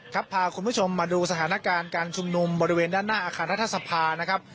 พาคุณผู้ชมมาดูสถานการณ์การชุมนุมบริเวณด้านหน้าอาคารรัฐสภานะครับ